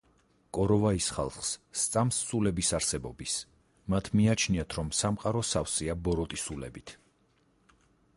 კოროვაის ხალხს სწამს სულების არსებობის, მათ მიაჩნიათ რომ სამყარო სავსეა ბოროტი სულებით.